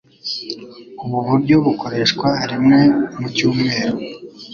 Ubu buryo bukoreshwa rimwe mu cyumweru